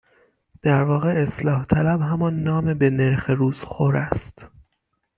در واقع اصلاح طلب همان نام به نرخ روز خور است